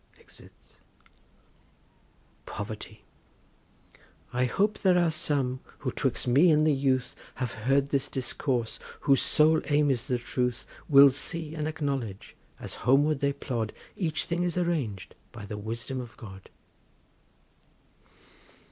[Exit. POVERTY. I hope there are some, who 'twixt me and the youth Have heard this discourse, whose sole aim is the truth, Will see and acknowledge, as homeward they plod, Each thing is arrang'd by the wisdom of God.